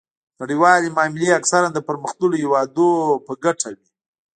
نړیوالې معاملې اکثراً د پرمختللو هیوادونو په ګټه وي